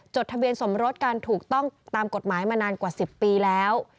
ทะเบียนสมรสกันถูกต้องตามกฎหมายมานานกว่า๑๐ปีแล้ว